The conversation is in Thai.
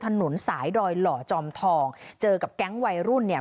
ถนนสายดอยหล่อจอมทองเจอกับแก๊งวัยรุ่นเนี่ย